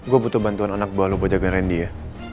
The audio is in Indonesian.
gua butuh bantuan anak buah lo buat jagain randy ya